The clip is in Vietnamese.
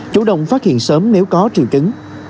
chủ động phát hiện sớm nếu có trường cứng